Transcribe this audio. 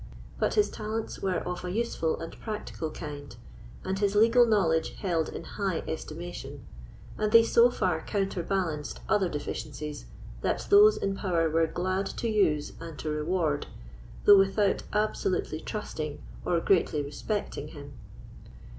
But his talents were of a useful and practical kind, and his legal knowledge held in high estimation; and they so far counterbalanced other deficiencies that those in power were glad to use and to reward, though without absolutely trusting or greatly respecting, him.